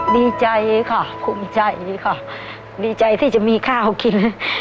ดีใจค่ะภูมิใจค่ะดีใจที่จะมีข้าวกิน